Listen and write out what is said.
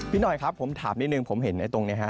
หน่อยครับผมถามนิดนึงผมเห็นตรงนี้ฮะ